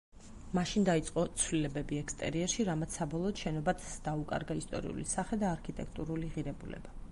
მაშინ დაიწყო ცვლილებები ექსტერიერში, რამაც საბოლოოდ შენობას დაუკარგა ისტორიული სახე და არქიტექტურული ღირებულება.